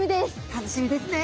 楽しみですね。